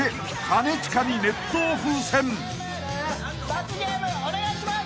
罰ゲームお願いします！